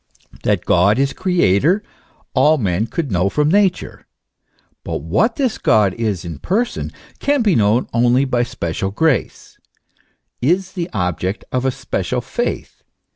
That God is the creator, all men could know from Nature ; but what this God is in person, can be known only by special grace, is the object of a special faith.